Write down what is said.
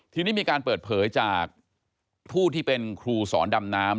ทีนี้มีการเปิดเผยจากผู้ที่เป็นครูสอนดำน้ำ